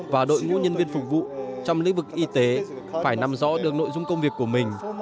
và đội ngũ nhân viên phục vụ trong lĩnh vực y tế phải nằm rõ được nội dung công việc của mình